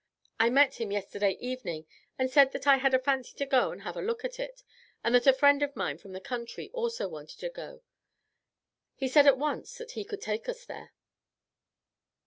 I met him yesterday evening, and said that I had a fancy to go and have a look at it, and that a friend of mine from the country also wanted to go; he said at once that he would take us there.